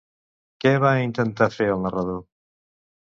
Què va intentar fer el narrador?